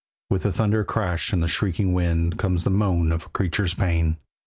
With the thunder crash and the shrieking wind Comes the moan of a creature's pain.